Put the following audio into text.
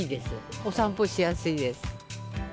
お散歩しやすいです。